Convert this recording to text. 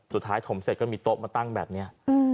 สุดท้ายถ่มเสร็จก็มีโต๊ะมาตั้งแบบนี้